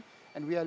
dan kami mencari